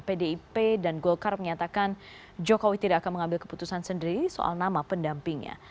pdip dan golkar menyatakan jokowi tidak akan mengambil keputusan sendiri soal nama pendampingnya